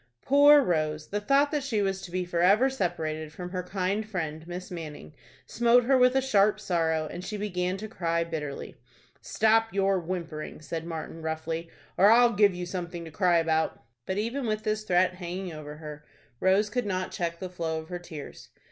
Poor Rose! the thought that she was to be forever separated from her kind friend, Miss Manning, smote her with a sharp sorrow, and she began to cry bitterly. "Stop your whimpering," said Martin, roughly, "or I'll give you something to cry about." But, even with this threat hanging over her, Rose could not check the flow of her tears.